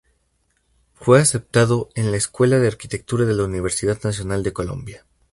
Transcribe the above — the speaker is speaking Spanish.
Fue aceptado en la Escuela de Arquitectura de la Universidad Nacional de Colombia.